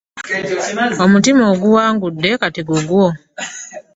Omutima oguwangudde kaakati gugwo.